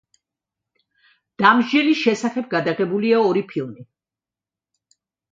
დამსჯელის შესახებ გადაღებულია ორი ფილმი.